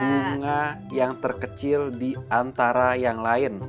bunga yang terkecil di antara yang lain